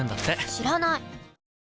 知らない！